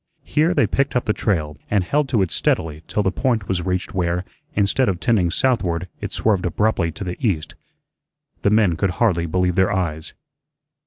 Here they picked up the trail and held to it steadily till the point was reached where, instead of tending southward it swerved abruptly to the east. The men could hardly believe their eyes.